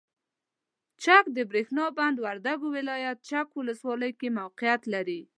چک دبریښنا بند وردګو ولایت چک ولسوالۍ کې موقعیت لري.